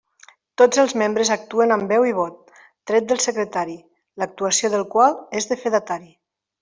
Tots els membres actuen amb veu i vot, tret del secretari, l'actuació del qual és de fedatari.